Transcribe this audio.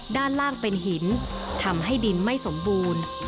ด้านล่างเป็นหินทำให้ดินไม่สมบูรณ์